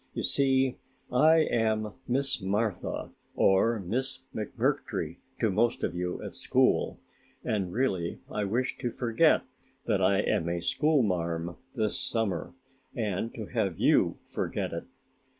You see I am Miss Martha or Miss McMurtry to most of you at school and really I wish to forget that I am a schoolmarm this summer and to have you forget it.